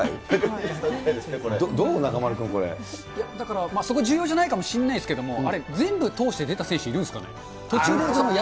どうこれ、中丸君、だから、そこ重要じゃないかもしれないですけど、あれ全部通して出た選手いたんですかね。